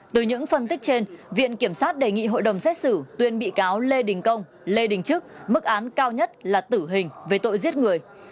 từ những phân tích trên viện kiểm sát đề nghị hội đồng xét xử tuyên bị cáo lê đình công lê đình trức mức án cao nhất là tử hình về tội giết người